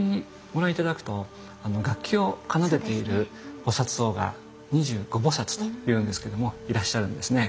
ご覧頂くと楽器を奏でている菩像が二十五菩というんですけどもいらっしゃるんですね。